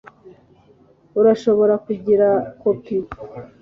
Urashobora kungira kopi